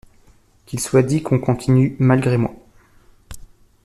Qu’il soit dit qu’on continue malgré moi.